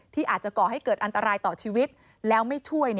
ที่อาจจะก่อให้เกิดอันตรายต่อชีวิตแล้วไม่ช่วย